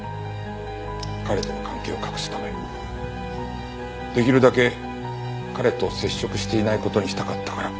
彼との関係を隠すためできるだけ彼と接触していない事にしたかったから。